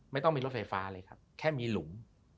ไม่ต้องมีรถไฟฟ้าเลยครับแค่มีหลุม